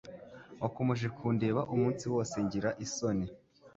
Wakomeje kundeba umunsi wose ngira isoni